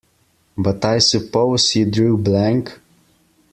But I suppose you drew blank?